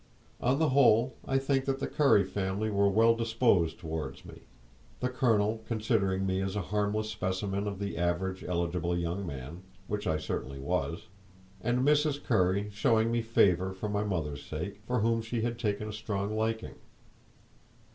On the whole, I think that the Currie family were well disposed toward me, the colonel considering me as a harmless specimen of the average eligible young man,—which I certainly was,—and Mrs. Currie showing me favour for my mother's sake, for whom she had taken a strong liking.